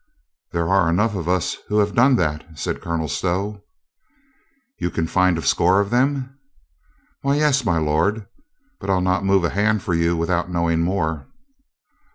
"There are enough of us who have done that," said Colonel Stow. "You can find a score of them?" "Why, yes, my lord. But I'll not move a hand for you without knowing more."